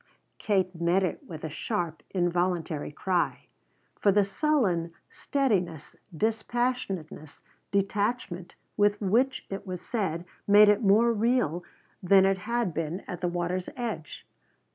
Kate met it with a sharp, involuntary cry. For the sullen steadiness, dispassionateness, detachment with which it was said made it more real than it had been at the water's edge.